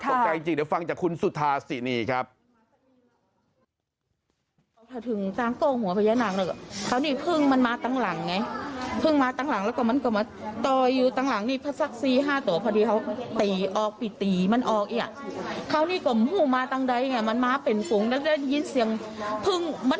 ตกใจจริงเดี๋ยวฟังจากคุณสุธาสินีครับ